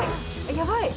やばい。